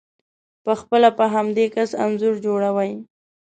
په خپله په همدې کس انځور جوړوئ،